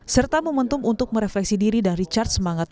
serta momentum untuk merefleksi diri dan recharge semangatnya